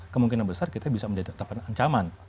kemungkinan besar kita bisa menetapkan ancaman